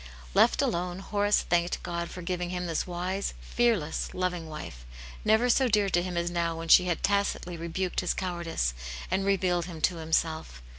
Left alone, Horace thanked God for giving him this wise, fearless, loving wife, never so dear to him as now when she had tacitly rebuked his cowardice and revealed him to himself.